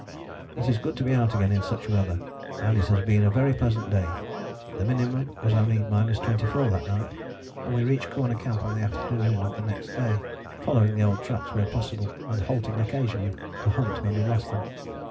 "It is good to be out again in such weather, and it has been a very pleasant day." The minimum was only 24° that night, and we reached Corner Camp on the afternoon of the next day, following the old tracks where possible, and halting occasionally to hunt when we lost them.